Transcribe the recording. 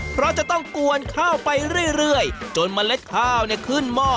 เพราะจะต้องกวนข้าวไปเรื่อยจนเมล็ดข้าวขึ้นหม้อ